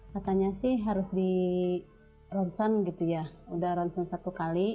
katanya sih harus di ronsen gitu ya udah ronsen satu kali